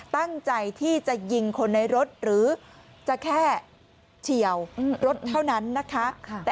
ตั้งใจที่จะยิงคนในรถหรือจะแค่เฉียวรถเท่านั้นนะคะ